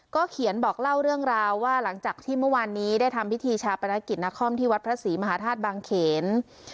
เขียนบอกเล่าเรื่องราวว่าหลังจากที่เมื่อวานนี้ได้ทำพิธีชาปนกิจนครที่วัดพระศรีมหาธาตุบางเขน